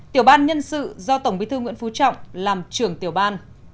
tiểu ban nhân sự do tổng bí thư nguyễn phú trọng làm trưởng tiểu ban